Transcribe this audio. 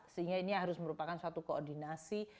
sehingga ini harus merupakan suatu koordinasi